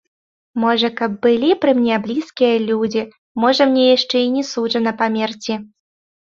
Можа каб былі пры мне блізкія людзі, можа мне яшчэ і не суджана памерці.